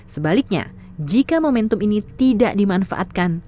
sebaliknya jika momentum ini tidak dimanfaatkan